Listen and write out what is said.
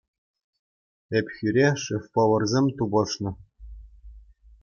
Ӗпхӳре шеф-поварсем тупӑшнӑ.